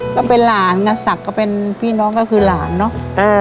ก็เป็นหลานกับศักดิ์ก็เป็นพี่น้องก็คือหลานเนอะ